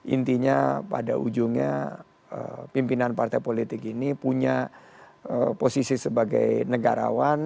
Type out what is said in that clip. intinya pada ujungnya pimpinan partai politik ini punya posisi sebagai negarawan